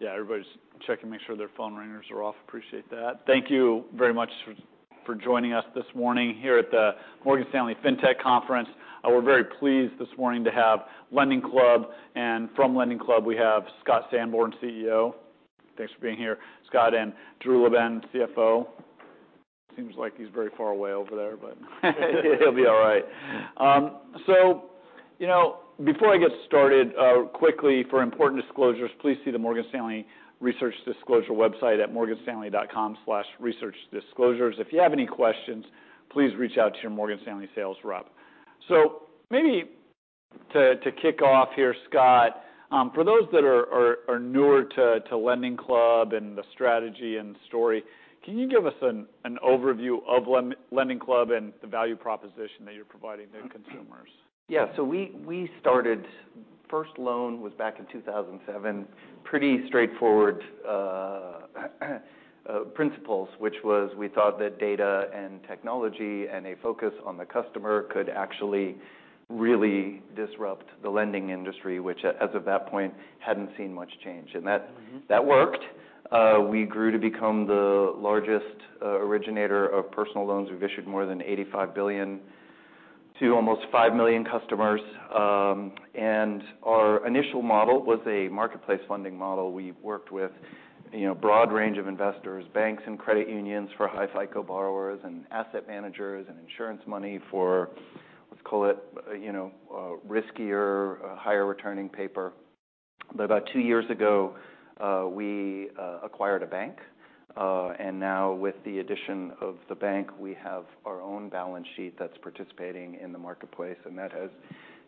Yeah, everybody's checking to make sure their phone ringers are off. Appreciate that. Thank you very much for joining us this morning here at the Morgan Stanley Fintech Conference. We're very pleased this morning to have LendingClub, and from LendingClub, we have Scott Sanborn, CEO. Thanks for being here, Scott, and Drew LaBenne, CFO. Seems like he's very far away over there, but he'll be all right. You know, before I get started, quickly, for important disclosures, please see the Morgan Stanley Research Disclosure website at morganstanley.com/researchdisclosures. If you have any questions, please reach out to your Morgan Stanley sales rep. Maybe to kick off here, Scott, for those that are newer to LendingClub and the strategy and story, can you give us an overview of LendingClub and the value proposition that you're providing to consumers? Yeah, we started, first loan was back in 2007. Pretty straightforward principles, which was we thought that data and technology and a focus on the customer could actually really disrupt the lending industry, which, as of that point, hadn't seen much change. Mm-hmm. That, that worked. We grew to become the largest originator of personal loans. We've issued more than $85 billion to almost 5 million customers. Our initial model was a marketplace funding model. We worked with, you know, a broad range of investors, banks and credit unions for high FICO borrowers, and asset managers, and insurance money for, let's call it, you know, riskier, higher returning paper. About two years ago, we acquired a bank, and now with the addition of the bank, we have our own balance sheet that's participating in the marketplace, and that has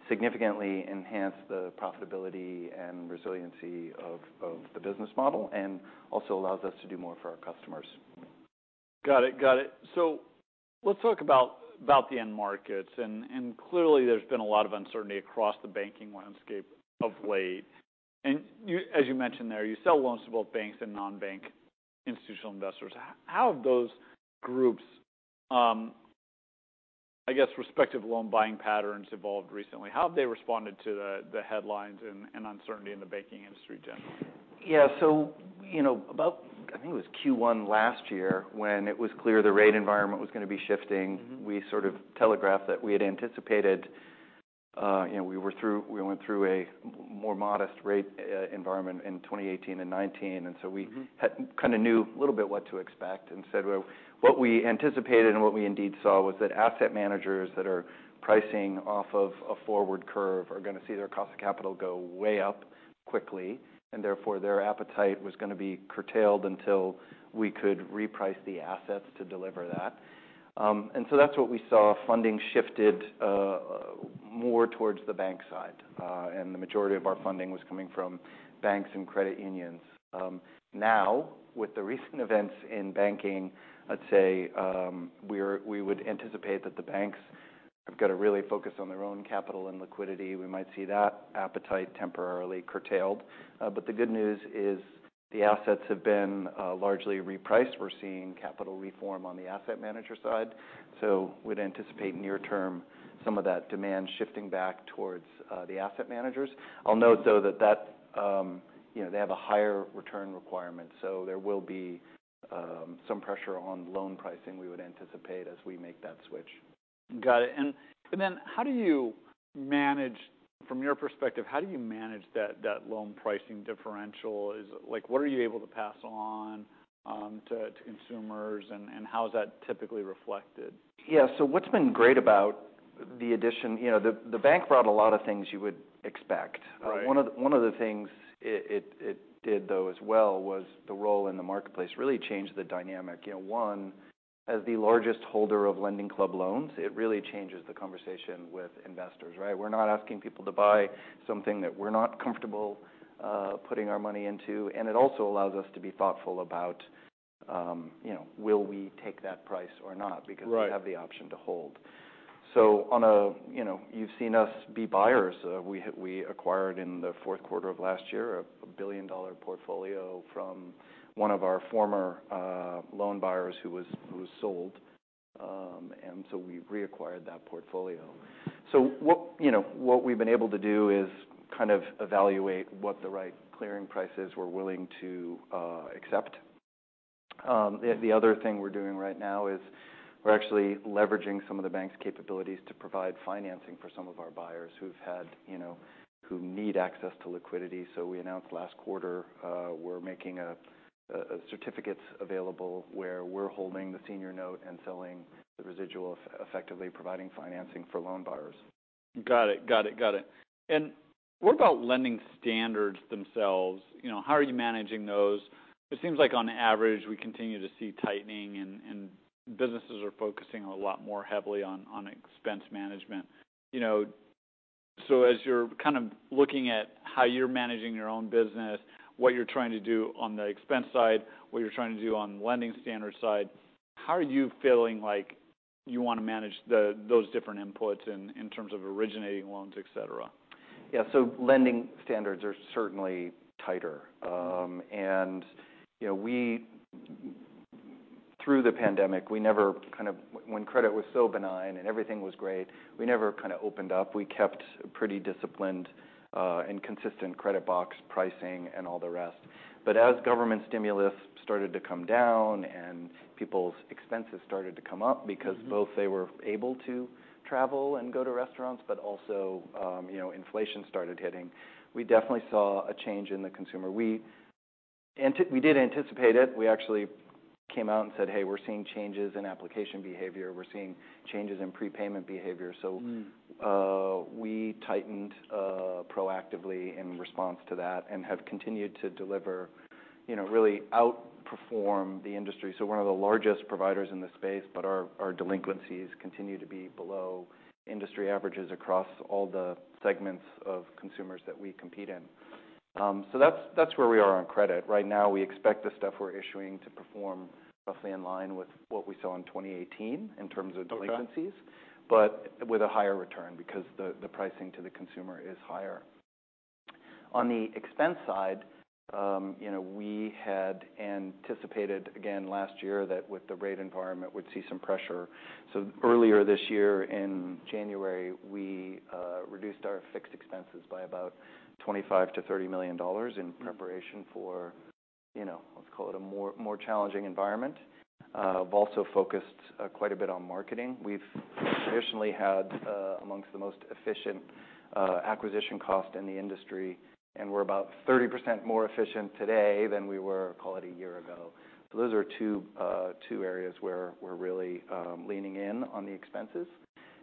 significantly enhanced the profitability and resiliency of the business model, and also allows us to do more for our customers. Got it. Let's talk about the end markets. Clearly, there's been a lot of uncertainty across the banking landscape of late. As you mentioned there, you sell loans to both banks and non-bank institutional investors. How have those groups, I guess, respective loan buying patterns evolved recently? How have they responded to the headlines and uncertainty in the banking industry in general? Yeah. You know, about I think it was Q1 last year, when it was clear the rate environment was gonna be shifting. Mm-hmm. We sort of telegraphed that we had anticipated, you know, we went through a more modest rate environment in 2018 and 2019. Mm-hmm. We kind of knew a little bit what to expect and said, well, what we anticipated and what we indeed saw was that asset managers that are pricing off of a forward curve are gonna see their cost of capital go way up quickly, and therefore, their appetite was gonna be curtailed until we could reprice the assets to deliver that. That's what we saw, funding shifted more towards the bank side, and the majority of our funding was coming from banks and credit unions. Now, with the recent events in banking, I'd say, we would anticipate that the banks have got to really focus on their own capital and liquidity. We might see that appetite temporarily curtailed. The good news is the assets have been largely repriced. We're seeing capital reform on the asset manager side, so we'd anticipate near term, some of that demand shifting back towards the asset managers. I'll note, though, that, you know, they have a higher return requirement, so there will be some pressure on loan pricing, we would anticipate as we make that switch. Got it. Then how do you manage... From your perspective, how do you manage that loan pricing differential? Like, what are you able to pass on to consumers, and how is that typically reflected? Yeah. You know, the bank brought a lot of things you would expect. Right. One of the things it did, though, as well, was the role in the marketplace really changed the dynamic. You know, one, as the largest holder of LendingClub loans, it really changes the conversation with investors, right? We're not asking people to buy something that we're not comfortable putting our money into. It also allows us to be thoughtful about, you know, will we take that price or not? Right. We have the option to hold. You know, you've seen us be buyers. We acquired, in the fourth quarter of last year, a billion-dollar portfolio from one of our former loan buyers who was sold. We reacquired that portfolio. What, you know, what we've been able to do is kind of evaluate what the right clearing price is we're willing to accept. The other thing we're doing right now is we're actually leveraging some of the bank's capabilities to provide financing for some of our buyers who've had, you know, who need access to liquidity. We announced last quarter, we're making certificates available, where we're holding the senior note and selling the residual, effectively providing financing for loan buyers. Got it. What about lending standards themselves? You know, how are you managing those? It seems like on average, we continue to see tightening and businesses are focusing a lot more heavily on expense management. You know, as you're kind of looking at how you're managing your own business, what you're trying to do on the expense side, what you're trying to do on lending standard side, how are you feeling like you want to manage those different inputs in terms of originating loans, et cetera? Lending standards are certainly tighter. You know, through the pandemic, we never kind of when credit was so benign and everything was great, we never kind of opened up. We kept pretty disciplined, and consistent credit box pricing and all the rest. As government stimulus started to come down and people's expenses started to come up, because both they were able to travel and go to restaurants, but also, you know, inflation started hitting, we definitely saw a change in the consumer. We did anticipate it. We actually came out and said: "Hey, we're seeing changes in application behavior. We're seeing changes in prepayment behavior. Mm. We tightened proactively in response to that, and have continued to deliver, you know, really outperform the industry. We're one of the largest providers in this space, but our delinquencies continue to be below industry averages across all the segments of consumers that we compete in. That's where we are on credit. Right now, we expect the stuff we're issuing to perform roughly in line with what we saw in 2018 in terms of delinquencies. Okay. With a higher return, because the pricing to the consumer is higher. On the expense side, you know, we had anticipated, again, last year, that with the rate environment, we'd see some pressure. Earlier this year, in January, we reduced our fixed expenses by about $25 million-$30 million. Mm. In preparation for, you know, let's call it a more challenging environment. We've also focused quite a bit on marketing. We've traditionally had amongst the most efficient acquisition cost in the industry, and we're about 30% more efficient today than we were, call it, a year ago. Those are two areas where we're really leaning in on the expenses.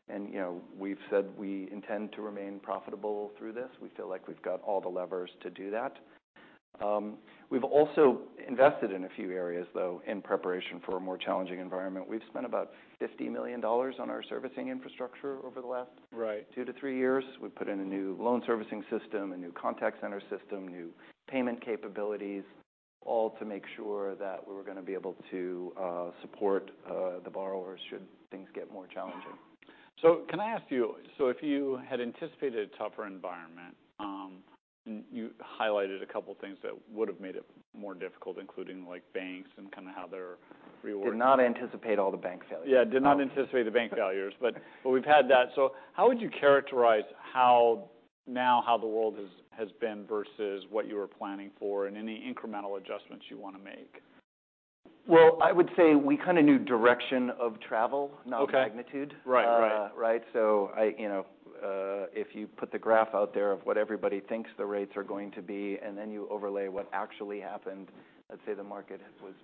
You know, we've said we intend to remain profitable through this. We feel like we've got all the levers to do that. We've also invested in a few areas, though, in preparation for a more challenging environment. We've spent about $50 million on our servicing infrastructure over the last- Right Two to three years. We've put in a new loan servicing system, a new contact center system, new payment capabilities, all to make sure that we were gonna be able to support the borrowers, should things get more challenging. Can I ask you, so if you had anticipated a tougher environment, and you highlighted a couple things that would've made it more difficult, including, like, banks and kind of how they're rewarding? Did not anticipate all the bank failures. Yeah, did not anticipate the bank failures, but we've had that. How would you characterize how the world has been versus what you were planning for, and any incremental adjustments you wanna make? Well, I would say we kind of knew direction of travel. Okay. Not magnitude. Right. Right. Right. I, you know, if you put the graph out there of what everybody thinks the rates are going to be, and then you overlay what actually happened, I'd say the market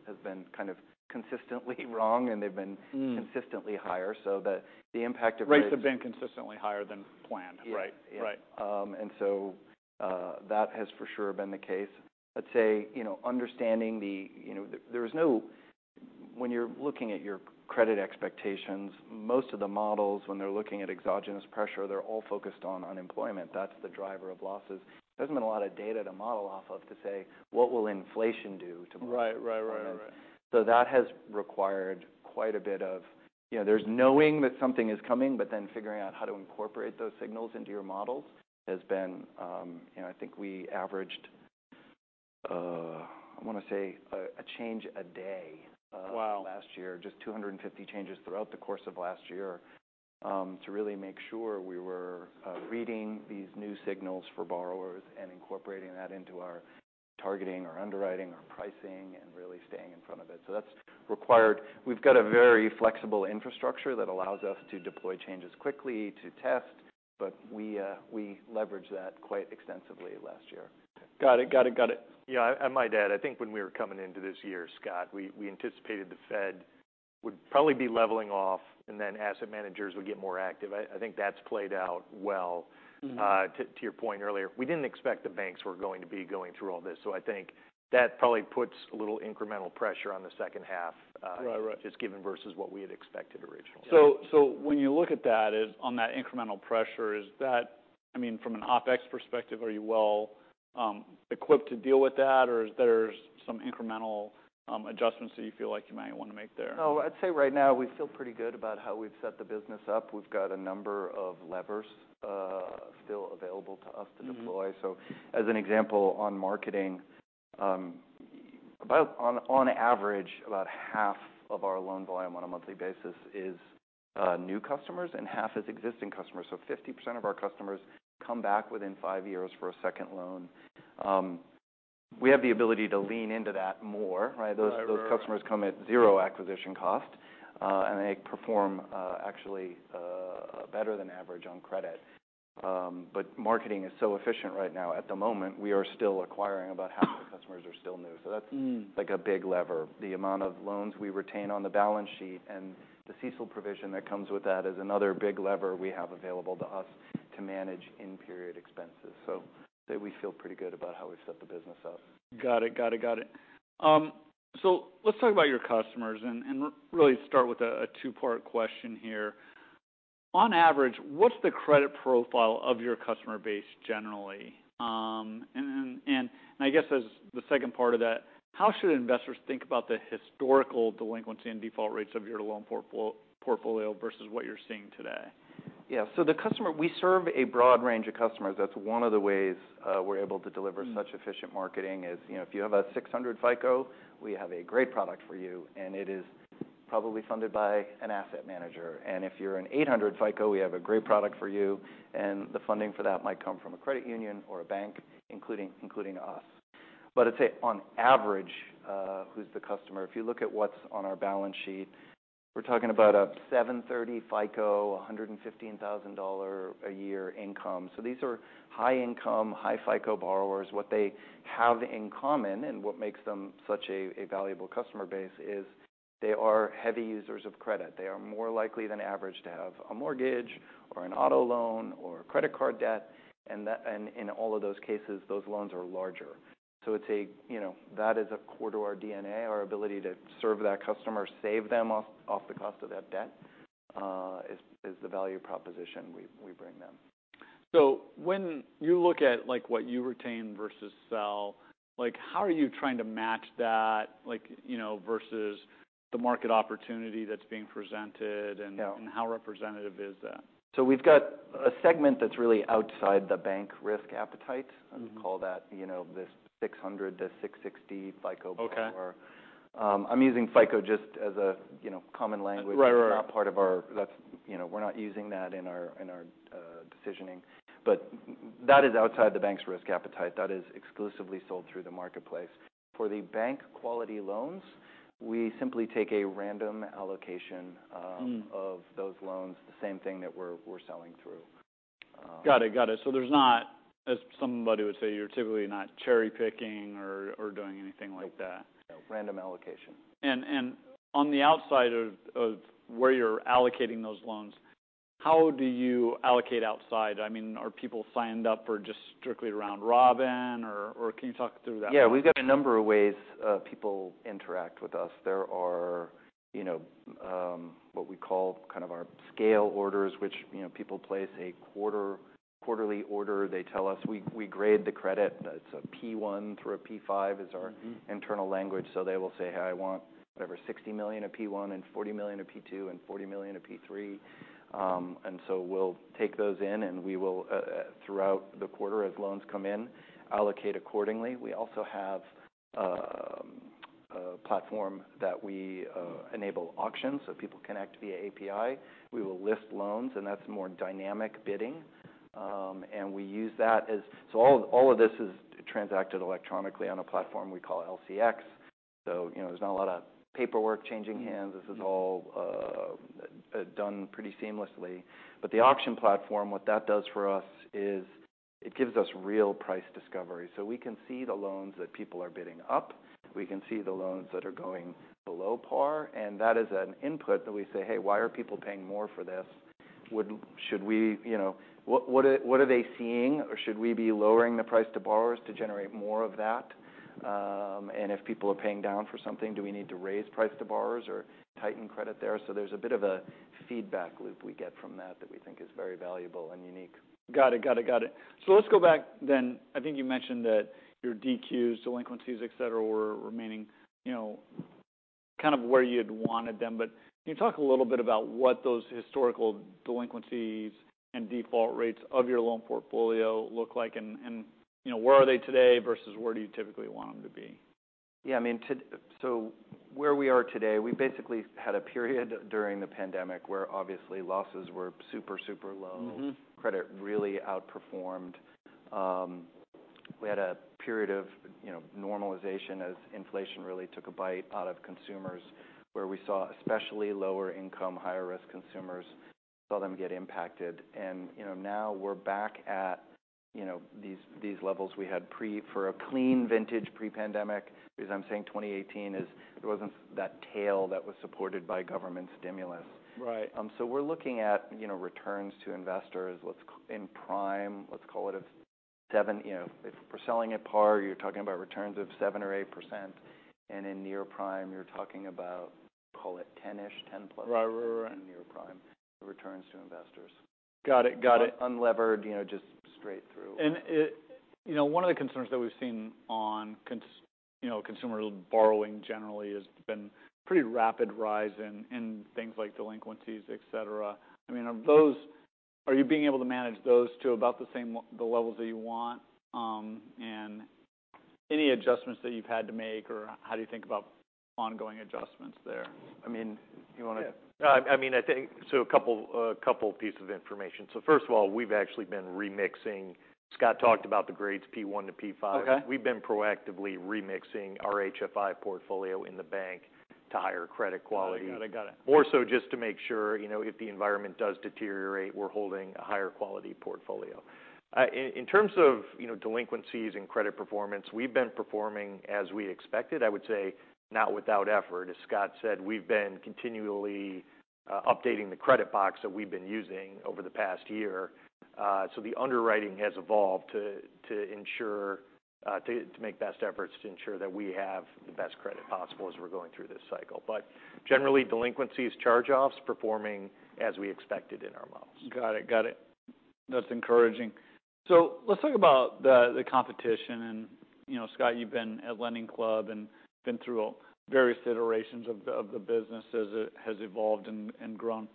has been kind of consistently wrong, and they've been. Mm Consistently higher. The impact of rates-. Rates have been consistently higher than planned. Yeah. Right. Right. That has for sure been the case. I'd say, you know, understanding the... You know, there When you're looking at your credit expectations, most of the models, when they're looking at exogenous pressure, they're all focused on unemployment. That's the driver of losses. There hasn't been a lot of data to model off of, to say: What will inflation do to borrowers? Right. Right, right. That has required quite a bit of, you know, there's knowing that something is coming, but then figuring out how to incorporate those signals into your models, has been. You know, I think we averaged, I wanna say, a change a day. Wow Last year. Just 250 changes throughout the course of last year, to really make sure we were reading these new signals for borrowers and incorporating that into our targeting, our underwriting, our pricing, and really staying in front of it. That's required. We've got a very flexible infrastructure that allows us to deploy changes quickly to test, but we leveraged that quite extensively last year. Got it. Yeah, I might add, I think when we were coming into this year, Scott, we anticipated the Fed would probably be leveling off, and then asset managers would get more active. I think that's played out well. Mm-hmm. To your point earlier, we didn't expect the banks were going to be going through all this, so I think that probably puts a little incremental pressure on the second half. Right. Just given versus what we had expected originally. When you look at that, on that incremental pressure, I mean, from an OpEx perspective, are you well equipped to deal with that, or is there some incremental adjustments that you feel like you might wanna make there? No, I'd say right now, we feel pretty good about how we've set the business up. We've got a number of levers still available to us to deploy. Mm-hmm. As an example, on marketing, on average, about half of our loan volume on a monthly basis is new customers, and half is existing customers. Fifty percent of our customers come back within five years for a second loan. We have the ability to lean into that more, right? Right, right. Those customers come at zero acquisition cost. They perform, actually, better than average on credit. Marketing is so efficient right now. At the moment, we are still acquiring half the customers are still new. That's Mm Like, a big lever. The amount of loans we retain on the balance sheet and the CECL provision that comes with that is another big lever we have available to us to manage in-period expenses. I'd say we feel pretty good about how we've set the business up. Got it. Got it. Let's talk about your customers, and really start with a two-part question here. On average, what's the credit profile of your customer base generally? And I guess as the second part of that, how should investors think about the historical delinquency and default rates of your loan portfolio versus what you're seeing today? Yeah. the customer, we serve a broad range of customers. That's one of the ways, we're able to deliver- Mm... Such efficient marketing, is, you know, if you have a 600 FICO, we have a great product for you, and it is probably funded by an asset manager. If you're an 800 FICO, we have a great product for you, and the funding for that might come from a credit union or a bank, including us. I'd say, on average, who's the customer? If you look at what's on our balance sheet, we're talking about a 730 FICO, a $115,000 a year income. These are high income, high FICO borrowers. What they have in common, and what makes them such a valuable customer base, is they are heavy users of credit. They are more likely than average to have a mortgage or an auto loan or credit card debt, and in all of those cases, those loans are larger. It's a, you know, that is a core to our DNA, our ability to serve that customer, save them off the cost of that debt, is the value proposition we bring them. When you look at, like, what you retain versus sell, like, how are you trying to match that, like, you know, versus the market opportunity that's being presented? Yeah. How representative is that? We've got a segment that's really outside the bank risk appetite. Mm-hmm. I'd call that, you know, the 600-660 FICO borrower. Okay. I'm using FICO just as a, you know, common language. Right. It's not part of our. You know, we're not using that in our decisioning. That is outside the bank's risk appetite. That is exclusively sold through the marketplace. For the bank-quality loans, we simply take a random allocation. Mm... Of those loans, the same thing that we're selling through Got it. Got it. There's not, as somebody would say, you're typically not cherry-picking or doing anything like that. Random allocation. On the outside of where you're allocating those loans, how do you allocate outside? I mean, are people signed up for just strictly round robin or can you talk through that? Yeah. We've got a number of ways, people interact with us. There are, you know, what we call kind of our scale orders, which, you know, people place a quarterly order. They tell us we grade the credit. It's a P-1 through a P-5, is our- Mm-hmm... Internal language. They will say, "Hey, I want whatever, $60 million of P-1 and $40 million of P-2 and $40 million of P-3." We'll take those in, and we will throughout the quarter, as loans come in, allocate accordingly. We also have a platform that we enable auctions, so people connect via API. We will list loans, and that's more dynamic bidding. All of this is transacted electronically on a platform we call LCX. You know, there's not a lot of paperwork changing hands. Mm-hmm. This is all done pretty seamlessly. The auction platform, what that does for us is it gives us real price discovery. We can see the loans that people are bidding up. We can see the loans that are going below par, that is an input that we say, "Hey, why are people paying more for this? Should we... You know, what are they seeing, or should we be lowering the price to borrowers to generate more of that?" If people are paying down for something, do we need to raise price to borrowers or tighten credit there? There's a bit of a feedback loop we get from that we think is very valuable and unique. Got it. Let's go back then. I think you mentioned that your DQs, delinquencies, et cetera, were remaining, you know, kind of where you'd wanted them. Can you talk a little bit about what those historical delinquencies and default rates of your loan portfolio look like? You know, where are they today versus where do you typically want them to be? I mean, where we are today, we basically had a period during the pandemic where obviously losses were super low. Mm-hmm. Credit really outperformed. We had a period of, you know, normalization as inflation really took a bite out of consumers, where we saw, especially lower income, higher risk consumers, saw them get impacted. You know, now we're back at, you know, these levels we had pre- for a clean vintage, pre-pandemic. I'm saying 2018 is... It wasn't that tail that was supported by government stimulus. Right. We're looking at, you know, returns to investors. In prime, let's call it a 7%. You know, if we're selling at par, you're talking about returns of 7% or 8%, and in near prime, you're talking about, call it 10-ish, 10%+. Right, right.... In near prime returns to investors. Got it. Got it. Unlevered, you know, just straight through. You know, one of the concerns that we've seen on you know, consumer borrowing generally has been pretty rapid rise in things like delinquencies, et cetera. I mean, are you being able to manage those to about the levels that you want? Any adjustments that you've had to make, or how do you think about ongoing adjustments there? I mean, you. Yeah. I mean, I think a couple pieces of information. First of all, we've actually been remixing. Scott talked about the grades P-1 to P-5. Okay. We've been proactively remixing our HFI portfolio in the bank to higher credit quality. Got it. Got it. More so just to make sure, you know, if the environment does deteriorate, we're holding a higher quality portfolio. In terms of, you know, delinquencies and credit performance, we've been performing as we expected. I would say, not without effort. As Scott said, we've been continually updating the credit box that we've been using over the past year. The underwriting has evolved to ensure, to make best efforts to ensure that we have the best credit possible as we're going through this cycle. Generally, delinquencies, charge-offs, performing as we expected in our models. Got it. Got it. That's encouraging. Let's talk about the competition. You know, Scott, you've been at LendingClub and been through various iterations of the business as it has evolved and grown.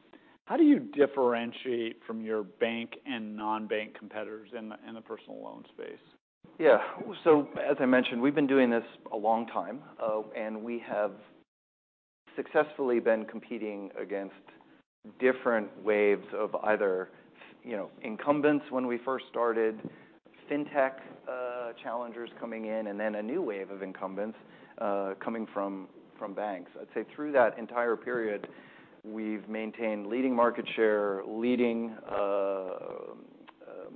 How do you differentiate from your bank and non-bank competitors in the personal loan space? As I mentioned, we've been doing this a long time, and we have successfully been competing against different waves of either, you know, incumbents when we first started, fintech, challengers coming in, and then a new wave of incumbents coming from banks. I'd say through that entire period, we've maintained leading market share, leading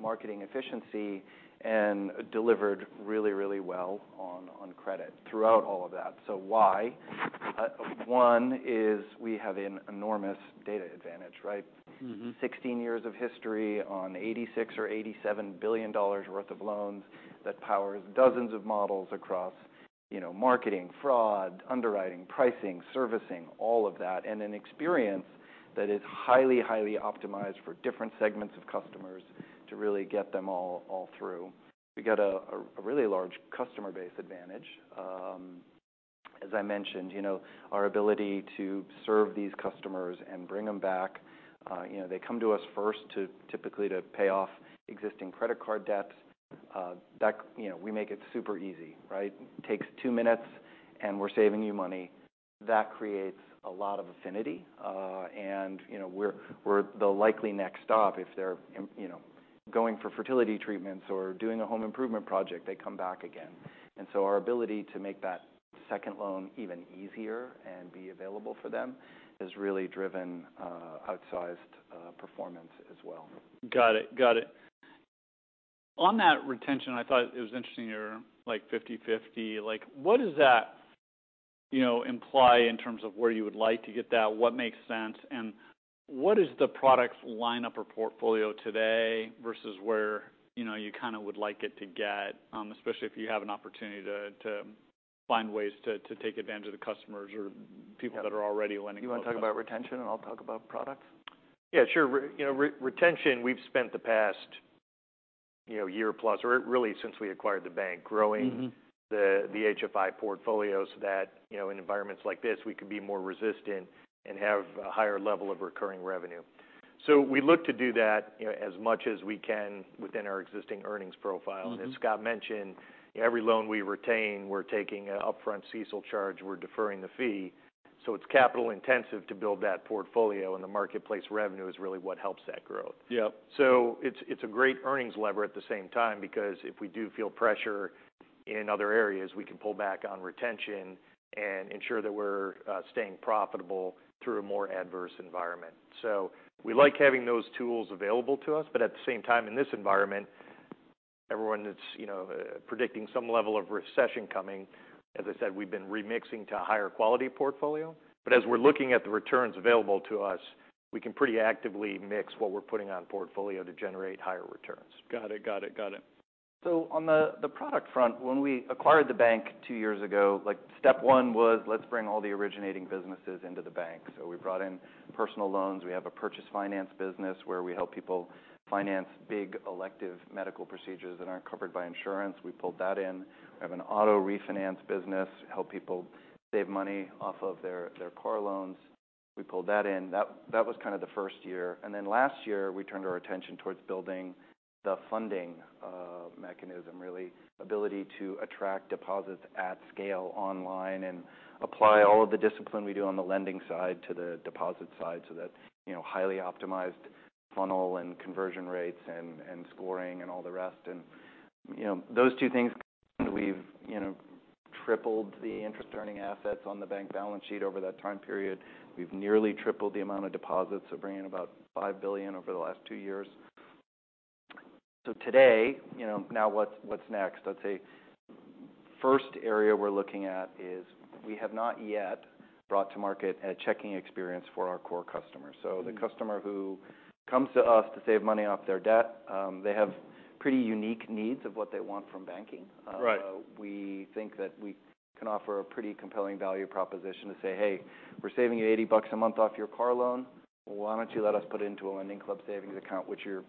marketing efficiency, and delivered really, really well on credit throughout all of that. Why? One, is we have an enormous data advantage, right? Mm-hmm. 16 years of history on $86 billion or $87 billion worth of loans that powers dozens of models across, you know, marketing, fraud, underwriting, pricing, servicing, all of that. An experience that is highly optimized for different segments of customers to really get them all through. We got a really large customer base advantage. As I mentioned, you know, our ability to serve these customers and bring them back, you know, they come to us first to typically to pay off existing credit card debts. You know, we make it super easy, right? It takes two minutes, and we're saving you money. That creates a lot of affinity. You know, we're the likely next stop if they're, you know, going for fertility treatments or doing a home improvement project, they come back again. Our ability to make that second loan even easier and be available for them, has really driven, outsized, performance as well. Got it. Got it. On that retention, I thought it was interesting, you're, like, 50/50. Like, what does that, you know, imply in terms of where you would like to get that? What makes sense, and what is the product lineup or portfolio today versus where, you know, you kinda would like it to get, especially if you have an opportunity to find ways to take advantage of the customers. Yeah That are already lending? You want to talk about retention, and I'll talk about product? Yeah, sure. you know, retention, we've spent the past, you know, year plus, or really since we acquired the bank-. Mm-hmm... Gowing the HFI portfolio so that, you know, in environments like this, we could be more resistant and have a higher level of recurring revenue. We look to do that, you know, as much as we can within our existing earnings profile. Mm-hmm. As Scott mentioned, every loan we retain, we're taking an upfront CECL charge, we're deferring the fee. It's capital-intensive to build that portfolio, and the marketplace revenue is really what helps that growth. Yep. It's a great earnings lever at the same time, because if we do feel pressure in other areas, we can pull back on retention and ensure that we're staying profitable through a more adverse environment. We like having those tools available to us. At the same time, in this environment, everyone that's, you know, predicting some level of recession coming, as I said, we've been remixing to a higher quality portfolio. As we're looking at the returns available to us, we can pretty actively mix what we're putting on portfolio to generate higher returns. Got it. Got it. Got it. On the product front, when we acquired the bank two years ago, like, step one was, let's bring all the originating businesses into the bank. We brought in personal loans. We have a purchase finance business, where we help people finance big elective medical procedures that aren't covered by insurance. We pulled that in. We have an auto refinance business, help people save money off of their car loans. We pulled that in. That was kind of the first year. Last year, we turned our attention towards building the funding mechanism, really. Ability to attract deposits at scale online and apply all of the discipline we do on the lending side to the deposit side, so that, you know, highly optimized funnel and conversion rates and scoring and all the rest. You know, those two things, we've, you know, tripled the interest-earning assets on the bank balance sheet over that time period. We've nearly tripled the amount of deposits, so bringing about $5 billion over the last two years. Today, you know, now what's next? I'd say, first area we're looking at is we have not yet brought to market a checking experience for our core customers. Mm-hmm. The customer who comes to us to save money off their debt, they have pretty unique needs of what they want from banking. Right. We think that we can offer a pretty compelling value proposition to say, "Hey, we're saving you $80 a month off your car loan. Why don't you let us put it into a LendingClub savings account, which you're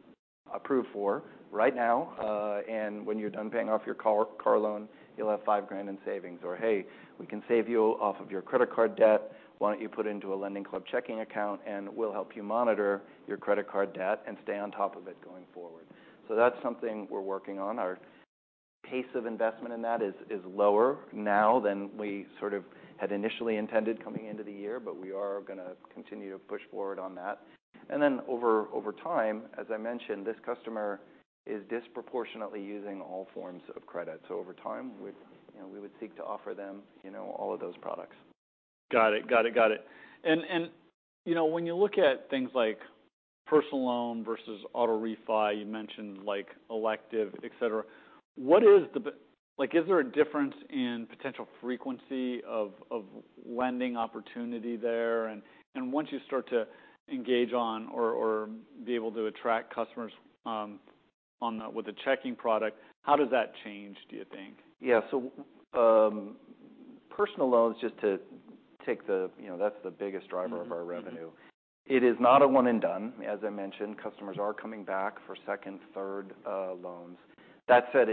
approved for right now? And when you're done paying off your car loan, you'll have $5,000 in savings." "Hey, we can save you off of your credit card debt. Why don't you put it into a LendingClub checking account, and we'll help you monitor your credit card debt and stay on top of it going forward?" That's something we're working on. Our pace of investment in that is lower now than we sort of had initially intended coming into the year. We are gonna continue to push forward on that. Over time, as I mentioned, this customer is disproportionately using all forms of credit. Over time, you know, we would seek to offer them, you know, all of those products. Got it. You know, when you look at things like personal loan versus auto refi, you mentioned like elective, et cetera, what is the like, is there a difference in potential frequency of lending opportunity there? Once you start to engage on or be able to attract customers, with the checking product, how does that change, do you think? Yeah. personal loans, just to take the... You know, that's the biggest driver- Mm-hmm of our revenue. It is not a one and done. As I mentioned, customers are coming back for second, third, loans. That said,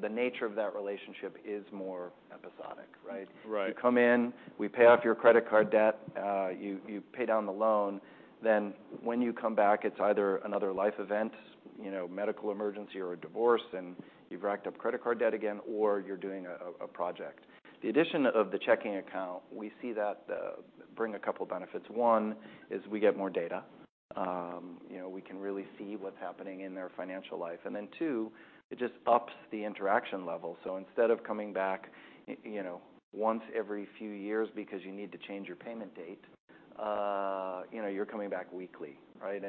the nature of that relationship is more episodic, right? Right. You come in, we pay off your credit card debt, you pay down the loan. When you come back, it's either another life event, you know, medical emergency or a divorce, and you've racked up credit card debt again, or you're doing a project. The addition of the checking account, we see that bring a couple benefits., is we get more data. You know, we can really see what's happening in their financial life. Then two, it just ups the interaction level. Instead of coming back, you know, once every few years because you need to change your payment date, you know, you're coming back weekly, right?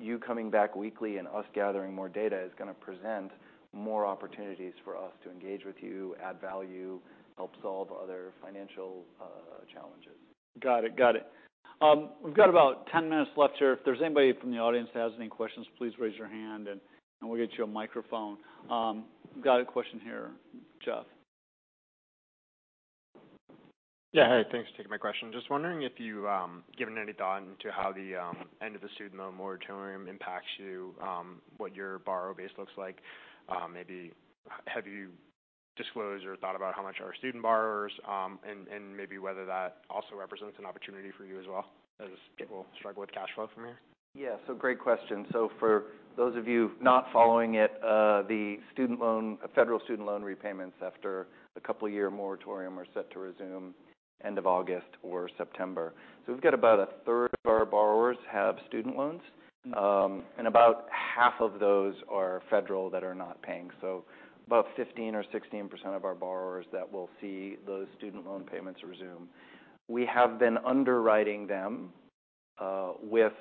You coming back weekly and us gathering more data is gonna present more opportunities for us to engage with you, add value, help solve other financial challenges. Got it. Got it. We've got about 10 minutes left here. If there's anybody from the audience that has any questions, please raise your hand and we'll get you a microphone. Got a question here. Jeff? Yeah. Hi, thanks for taking my question. Just wondering if you've given any thought into how the end of the student loan moratorium impacts you, what your borrower base looks like. Maybe have you disclosed or thought about how much are student borrowers, and maybe whether that also represents an opportunity for you as well, as people struggle with cash flow from here? Great question. For those of you not following it, the federal student loan repayments after a couple of year moratorium are set to resume end of August or September. We've got about a third of our borrowers have student loans, and about half of those are federal that are not paying. About 15% or 16% of our borrowers that will see those student loan payments resume. We have been underwriting them with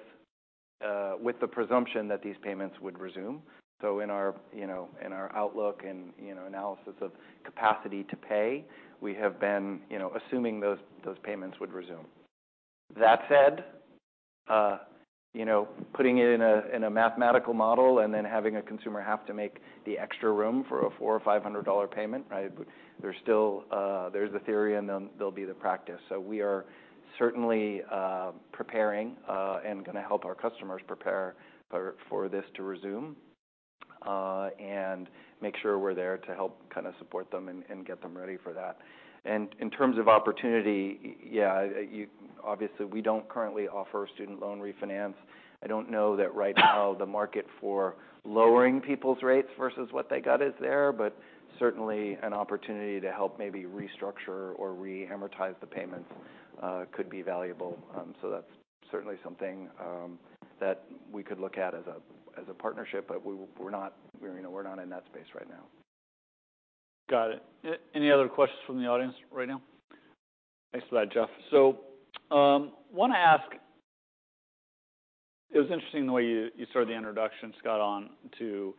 the presumption that these payments would resume. In our, you know, in our outlook and, you know, analysis of capacity to pay, we have been, you know, assuming those payments would resume. That said, you know, putting it in a mathematical model and then having a consumer have to make the extra room for a $400 or $500 payment, right, there's still there's the theory, and then there'll be the practice. We are certainly preparing and gonna help our customers prepare for this to resume and make sure we're there to help kind of support them and get them ready for that. In terms of opportunity, obviously, we don't currently offer student loan refinance. I don't know that right now the market for lowering people's rates versus what they got is there, but certainly an opportunity to help maybe restructure or re-amortize the payments could be valuable. That's certainly something that we could look at as a partnership, but we're not, you know, we're not in that space right now. Got it. Any other questions from the audience right now? Thanks for that, Jeff. It was interesting the way you started the introduction, Scott, on to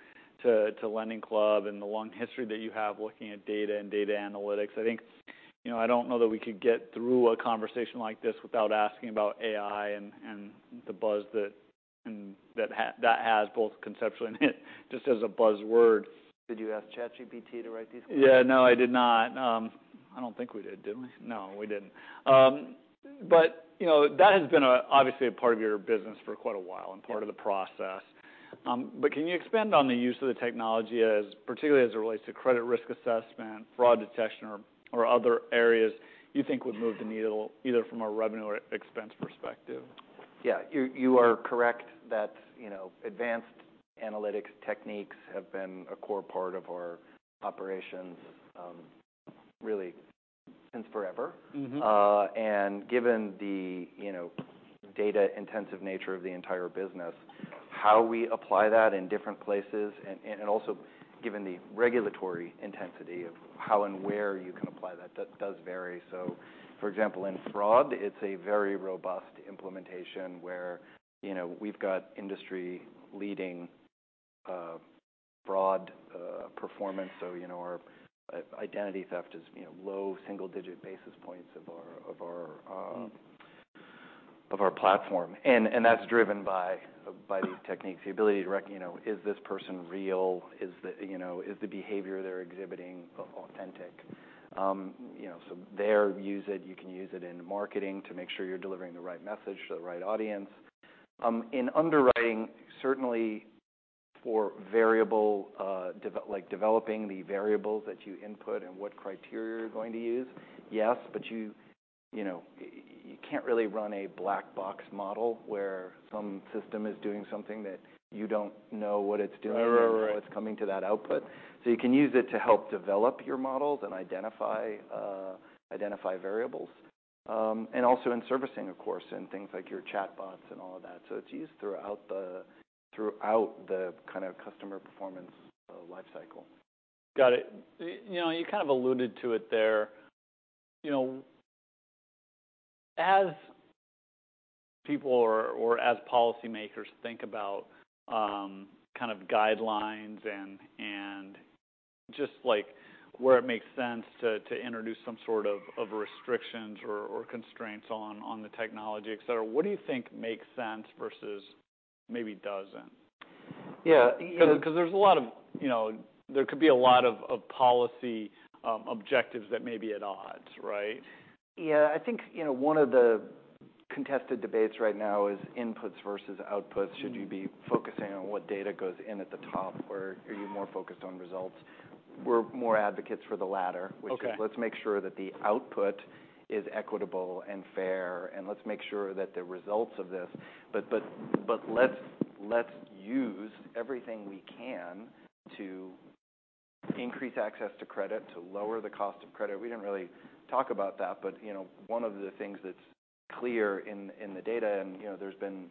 LendingClub and the long history that you have looking at data and data analytics. I think, you know, I don't know that we could get through a conversation like this without asking about AI and the buzz that has, both conceptually and just as a buzzword. Did you ask ChatGPT to write these questions? Yeah. No, I did not. I don't think we did we? No, we didn't. You know, that has been obviously a part of your business for quite a while. Yeah part of the process. Can you expand on the use of the technology as, particularly as it relates to credit risk assessment, fraud detection, or other areas you think would move the needle, either from a revenue or expense perspective? Yeah. You are correct that, you know, advanced analytics techniques have been a core part of our operations, really since forever. Mm-hmm. Given the, you know, data-intensive nature of the entire business, how we apply that in different places, and also given the regulatory intensity of how and where you can apply that does vary. For example, in fraud, it's a very robust implementation where, you know, we've got industry-leading, fraud performance. You know, our identity theft is, you know, low single-digit basis points of our...or our platform Mm That's driven by these techniques. The ability to you know, is this person real? Is the, you know? Is the behavior they're exhibiting authentic? You know, there, use it. You can use it in marketing to make sure you're delivering the right message to the right audience. In underwriting, certainly for variable, developing the variables that you input and what criteria you're going to use, yes. You, you know, you can't really run a black box model where some system is doing something that you don't know what it's doing or Right, right. How it's coming to that output. You can use it to help develop your models and identify variables. Also in servicing, of course, in things like your chatbots and all of that. It's used throughout the kind of customer performance life cycle. Got it. You know, you kind of alluded to it there. You know, as people or as policymakers think about, kind of guidelines and just, like, where it makes sense to introduce some sort of restrictions or constraints on the technology, et cetera, what do you think makes sense versus maybe doesn't? Yeah. 'Cause, you know, there could be a lot of policy objectives that may be at odds, right? Yeah. I think, you know, one of the contested debates right now is inputs versus outputs. Mm. Should you be focusing on what data goes in at the top, or are you more focused on results? We're more advocates for the latter. Okay Which is, let's make sure that the output is equitable and fair, and let's make sure that the results of this. Let's, let's use everything we can to increase access to credit, to lower the cost of credit. We didn't really talk about that, but, you know, one of the things that's clear in the data and, you know, there's been,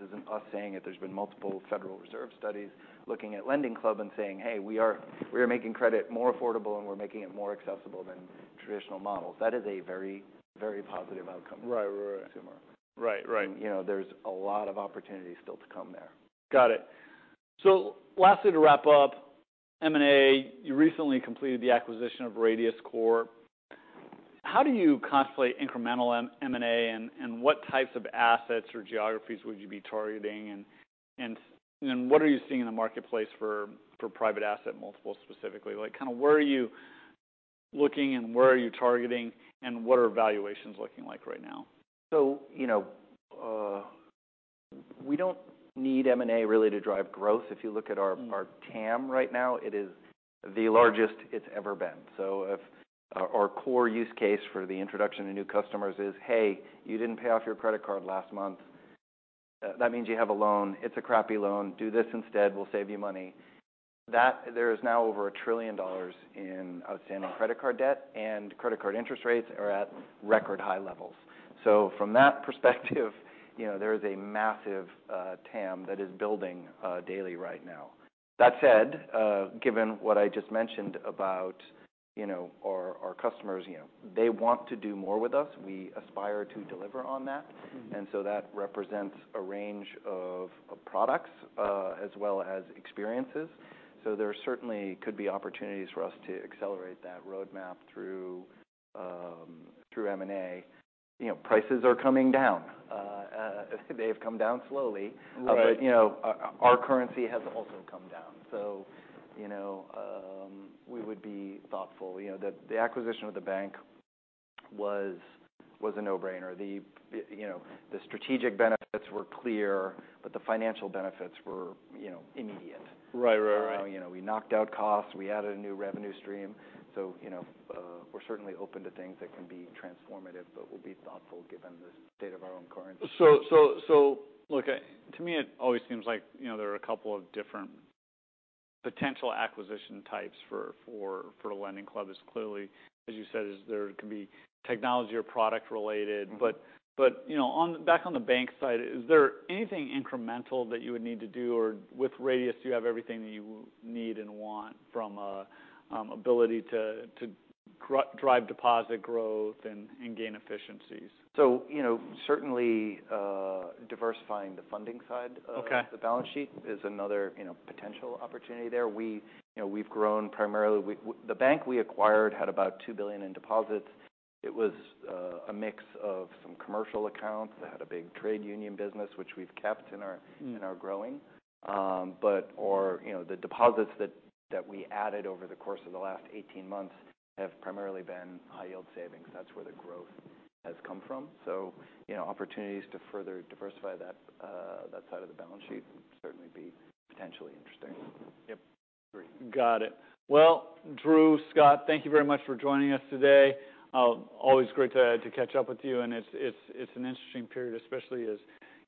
this isn't us saying it, there's been multiple Federal Reserve studies looking at LendingClub and saying, "Hey, we are making credit more affordable, and we're making it more accessible than traditional models." That is a very, very positive outcome. Right. Right. for the consumer. Right, right. You know, there's a lot of opportunity still to come there. Got it. Lastly, to wrap up, M&A, you recently completed the acquisition of Radius Bancorp. How do you constantly incremental M&A, and what types of assets or geographies would you be targeting? What are you seeing in the marketplace for private asset multiples, specifically? Like, kind of, where are you looking, and where are you targeting, and what are valuations looking like right now? You know, we don't need M&A really to drive growth. Mm Our TAM right now, it is the largest it's ever been. If our core use case for the introduction to new customers is, "Hey, you didn't pay off your credit card last month. That means you have a loan. It's a crappy loan. Do this instead. We'll save you money." There is now over $1 trillion in outstanding credit card debt, and credit card interest rates are at record high levels. From that perspective, you know, there is a massive TAM that is building daily right now. That said, given what I just mentioned about, you know, our customers, you know, they want to do more with us. We aspire to deliver on that. Mm-hmm. That represents a range of products, as well as experiences. There certainly could be opportunities for us to accelerate that roadmap through M&A. You know, prices are coming down. They've come down slowly. Right. You know, our currency has also come down, so, you know, we would be thoughtful. You know, the acquisition of the bank was a no-brainer. The, you know, the strategic benefits were clear, but the financial benefits were, you know, immediate. Right. Right, right. You know, we knocked out costs. We added a new revenue stream. you know, we're certainly open to things that can be transformative, but we'll be thoughtful given the state of our own currency. Look, to me, it always seems like, you know, there are a couple of different potential acquisition types for LendingClub. As clearly, as you said, there can be technology or product related. Mm-hmm. You know, on... back on the bank side, is there anything incremental that you would need to do? Or with Radius, do you have everything that you need and want, from, ability to drive deposit growth and gain efficiencies? You know, certainly, diversifying the funding side. Okay The balance sheet is another, you know, potential opportunity there. We, you know, we've grown primarily. The bank we acquired had about $2 billion in deposits. It was a mix of some commercial accounts. It had a big trade union business, which we've kept and are growing Mm You know, the deposits that we added over the course of the last 18 months have primarily been high-yield savings. That's where the growth has come from. you know, opportunities to further diversify that side of the balance sheet would certainly be potentially interesting. Yep. Agree. Got it. Drew, Scott, thank you very much for joining us today. always great to catch up with you, and it's an interesting period, especially as,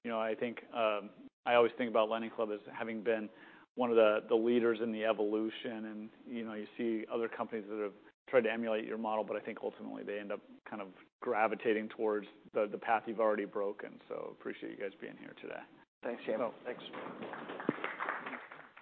you know, I think, I always think about LendingClub as having been one of the leaders in the evolution. you know, you see other companies that have tried to emulate your model, but I think ultimately they end up kind of gravitating towards the path you've already broken. appreciate you guys being here today. Thanks, Jamie. Thanks.